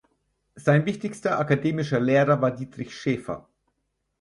Sein wichtigster akademischer Lehrer war Dietrich Schäfer.